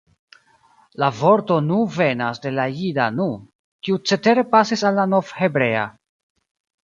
La vorto nu venas de la jida nu, kiu cetere pasis al la novhebrea.